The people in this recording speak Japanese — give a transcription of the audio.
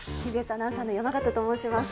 ＴＢＳアナウンサーの山形と申します